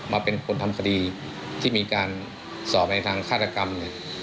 มาเป็นคนทำคดีที่มีการสอบในทางฆาตกรรมเนี่ย